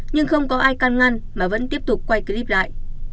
nhưng không có ai can ngăn mà vẫn tiếp tục quay clip lại